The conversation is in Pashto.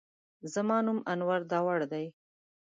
زما نوم انور داوړ دی.